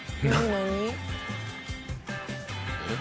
何？